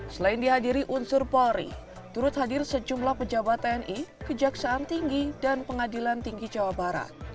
selain dihadiri unsur polri turut hadir sejumlah pejabat tni kejaksaan tinggi dan pengadilan tinggi jawa barat